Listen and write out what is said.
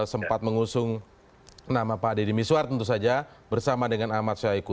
sempat mengusung nama pak deddy miswar tentu saja bersama dengan ahmad syahiku